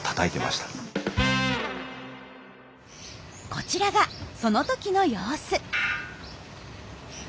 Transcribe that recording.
こちらがその時の様子。